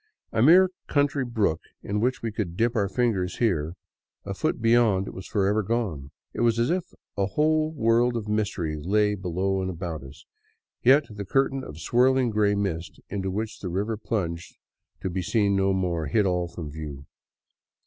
A mere country brook in which we could dip our fingers here, a foot beyond it was forever gone. It was as if a whole world of mystery lay below and about us, yet the curtain of swirling gray mist into which the river plunged to be seen no more hid all from view.